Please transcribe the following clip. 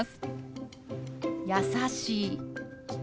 「優しい」。